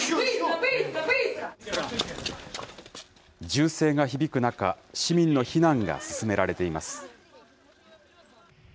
銃声が響く中、市民の避難が進められています。